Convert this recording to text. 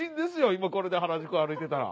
今これで原宿歩いてたら。